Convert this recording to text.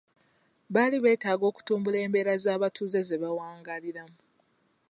Baali beetaaga okutumbula embeera z'abatuuze ze bawangaaliramu.